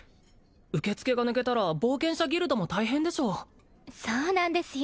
受付が抜けたら冒険者ギルドも大変でしょうそうなんですよ